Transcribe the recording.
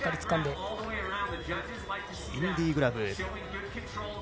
インディグラブ。